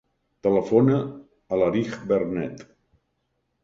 Telefona a l'Arij Bernet.